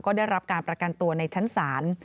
ก็ได้รับการประกันตัวในชั้นศาล